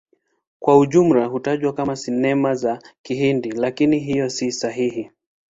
Kwa ujumla hutajwa kama Sinema za Kihindi, lakini hiyo si sahihi.